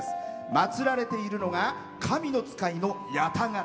祭られているのが神の使いの八咫烏。